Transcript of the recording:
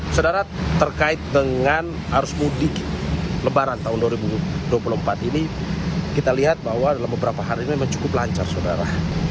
saudara terkait dengan arus mudik lebaran tahun dua ribu dua puluh empat ini kita lihat bahwa dalam beberapa hari ini memang cukup lancar saudara